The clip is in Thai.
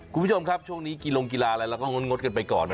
คุณผู้ชมครับช่วงนี้กิลงกีฬาอะไรเราก็งดกันไปก่อน